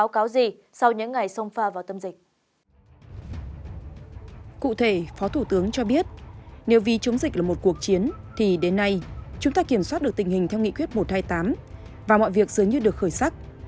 cụ thể phó thủ tướng cho biết nếu vì chống dịch là một cuộc chiến thì đến nay chúng ta kiểm soát được tình hình theo nghị quyết một trăm hai mươi tám và mọi việc dường như được khởi sắc